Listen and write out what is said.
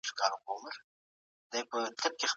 زه د حق ادا کولو مستحق يم.